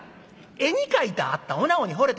絵に描いてあったおなごに惚れた？